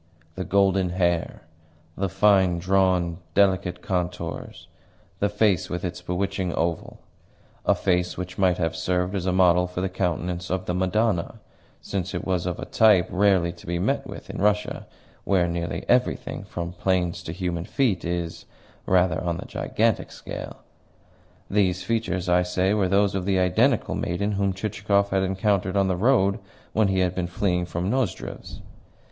The golden hair, the fine drawn, delicate contours, the face with its bewitching oval a face which might have served as a model for the countenance of the Madonna, since it was of a type rarely to be met with in Russia, where nearly everything, from plains to human feet, is, rather, on the gigantic scale; these features, I say, were those of the identical maiden whom Chichikov had encountered on the road when he had been fleeing from Nozdrev's.